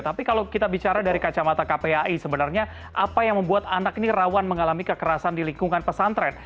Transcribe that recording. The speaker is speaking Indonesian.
tapi kalau kita bicara dari kacamata kpai sebenarnya apa yang membuat anak ini rawan mengalami kekerasan di lingkungan pesantren